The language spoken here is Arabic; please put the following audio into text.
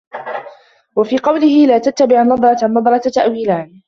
وَفِي قَوْلِهِ لَا تُتْبِعْ النَّظْرَةَ النَّظْرَةَ تَأْوِيلَانِ